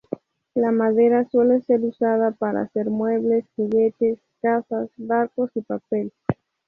La madera suele ser usada para hacer muebles, juguetes, casas, barcos y papel.